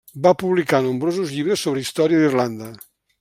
Va publicar nombrosos llibres sobre història d'Irlanda.